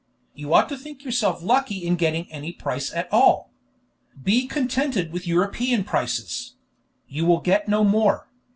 You ought to think yourself lucky in getting any price at all. Be contented with European prices; you will get no more.